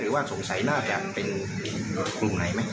หรือว่าสงสัยหน้าแก่มีผู้ไหนไหม